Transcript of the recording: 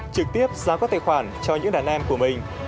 trực tiếp giao các tài khoản cho những đàn em của mình